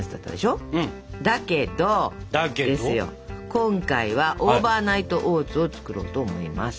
今回はオーバーナイトオーツを作ろうと思います。